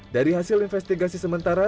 dari hasil investigasi sementara